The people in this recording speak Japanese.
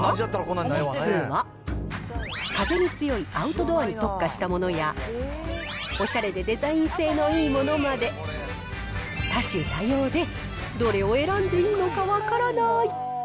実は、風に強いアウトドアに特化したものや、おしゃれでデザイン製のいいものまで、多種多様で、どれを選んでいいのか分からない。